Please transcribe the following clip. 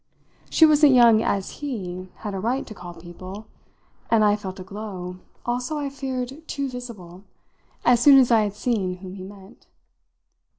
She wasn't young as he had a right to call people, and I felt a glow also, I feared, too visible as soon as I had seen whom he meant.